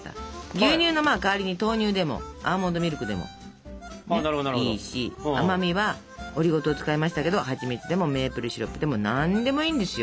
牛乳の代わりに豆乳でもアーモンドミルクでもいいし甘みはオリゴ糖を使いましたけどはちみつでもメープルシロップでも何でもいいんですよ。